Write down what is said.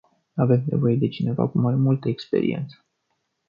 Avem nevoie de cineva cu mai multă experiență.